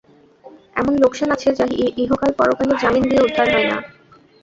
এমন লোকসান আছে যা ইহকাল-পরকালে জামিন দিয়ে উদ্ধার হয় না।